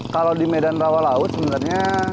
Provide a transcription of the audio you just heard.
kalau di medan rawa laut sebenarnya